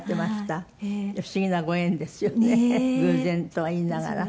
不思議なご縁ですよね偶然とは言いながら。